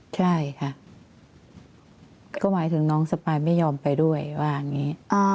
ใช่ค่ะก็หมายถึงน้องสปายไม่ยอมไปด้วยว่าอย่างนี้